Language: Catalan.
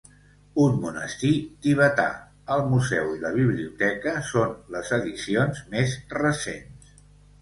Un monestir tibetà, el museu i la biblioteca són les addicions més recents.